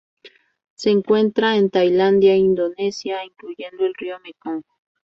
Se encuentra en Tailandia y Indonesia, incluyendo el río Mekong.